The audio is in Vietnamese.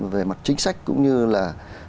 về mặt chính sách cũng như là